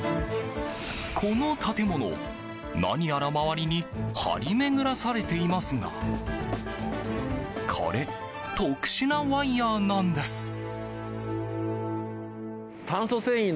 この建物、何やら周りに張り巡らされていますがこれ、特殊なワイヤなんです。